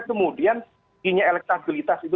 kemudian ini elektabilitas itu